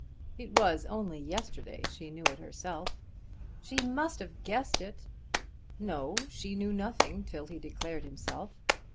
"It was only yesterday she knew it herself." "She must have guessed it." "No; she knew nothing till he declared himself.